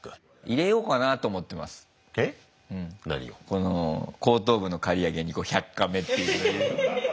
この後頭部の刈り上げに「１００カメ」って。